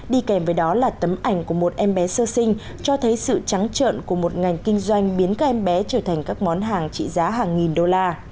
đi kèm với đó là tấm ảnh của một em bé sơ sinh cho thấy sự trắng trợn của một ngành kinh doanh biến các em bé trở thành các món hàng trị giá hàng nghìn đô la